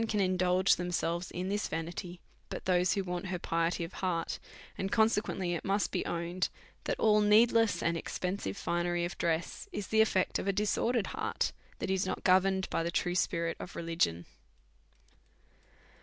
87 can indulge themselves in this vanity but those who want her piety of heart ; and consequently it must be owned, that all needless and expensive finery of dress is the effect of a disordered heart, that is not governed by the true spirit of religion.